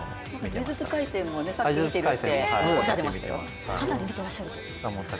「呪術廻戦」もさっき見てらっしゃるとおっしゃっていましたよ。